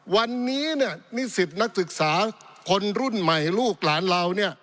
วันนี้เนี่ยนิสิตนักศึกษาคนรุ่นใหม่ลูกหลานเราเนี่ย